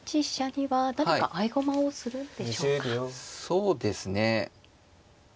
そうですね。